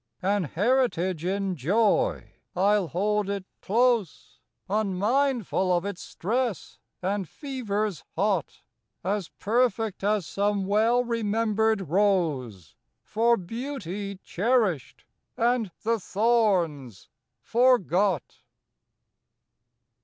An heritage in joy, I ll hold it close, Unmindful of its stress and fevers hot, As perfect as some well remembered Rose For beauty cherished and the thorns forgot.